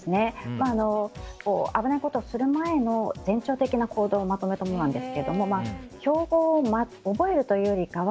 危ないことをする前の前兆的な行動をまとめたものなんですけども標語を覚えるというよりかは